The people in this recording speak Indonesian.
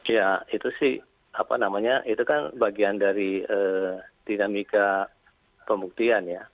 ya itu sih apa namanya itu kan bagian dari dinamika pembuktian ya